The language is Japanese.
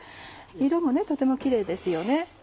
色もとてもキレイですよね。